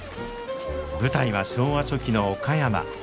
舞台は昭和初期の岡山。